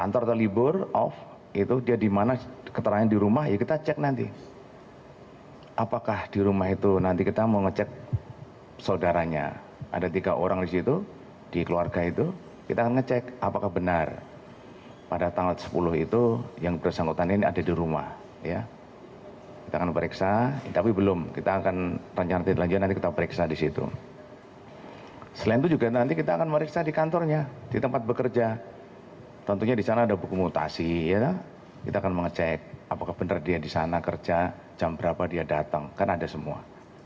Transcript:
tentunya di sana ada buku mutasi ya kita akan mengecek apakah benar dia di sana kerja jam berapa dia datang kan ada semua